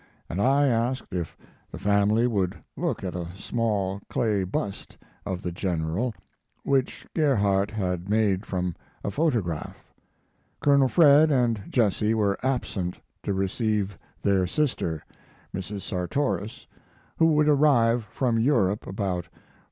and I asked if the family would look at a small clay bust of the General which Gerhardt had made from a photograph. Colonel Fred and Jesse were absent to receive their sister, Mrs. Sartoris, who would arrive from Europe about 4.